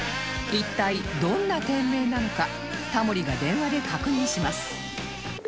一体どんな店名なのかタモリが電話で確認します